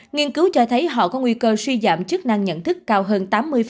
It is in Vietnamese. nghiên cứu cho thấy họ có nguy cơ suy giảm chức năng nhận thức cao hơn tám mươi